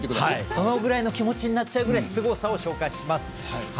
そのくらいの気持ちになるくらいすごさを紹介します。